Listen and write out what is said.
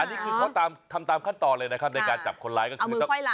นี่คือเขาทำตามขั้นตอนเลยนะครับในการจับคนร้ายก็คือ